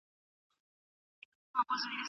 حوصله غواړي.